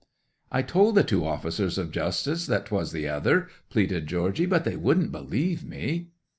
'"I told the two officers of justice that 'twas the other!" pleaded Georgy. "But they wouldn't believe me."